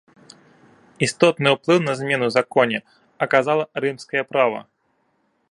Істотны ўплыў на змены ў законе аказала рымскае права.